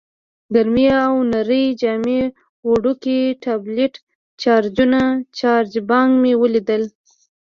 ګرمې او نرۍ جامې، وړوکی ټابلیټ، چارجرونه، چارج بانک مې ولیدل.